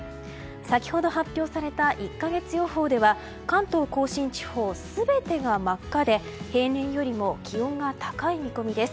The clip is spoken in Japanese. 先ほど発表された１か月予報では関東・甲信地方全てが真っ赤で平年よりも気温が高い見込みです。